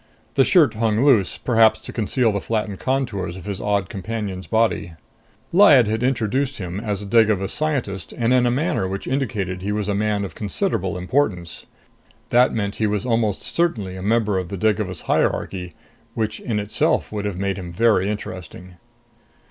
The shirt hung loose, perhaps to conceal the flattened contours of his odd companion's body. Lyad had introduced him as a Devagas scientist and in a manner which indicated he was a man of considerable importance. That meant he was almost certainly a member of the Devagas hierarchy, which in itself would have made him very interesting.